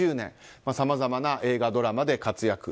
さまざまな映画、ドラマで活躍。